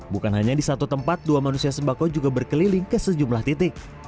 bukan hanya di satu tempat dua manusia sembako juga berkeliling ke sejumlah titik